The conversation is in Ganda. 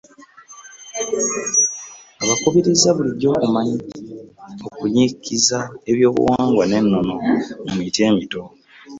Akubirizza bulijjo okunnyikiza ebyobuwangwa n'ennono mu miti emito